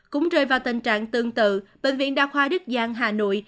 cũng rơi vào tình trạng tương tự bệnh viện đa khoa đức giang hà nội